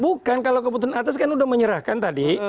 bukan kalau keputusan atas kan sudah menyerahkan tadi